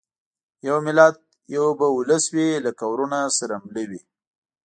یو ملت یو به اولس وي لکه وروڼه سره مله وي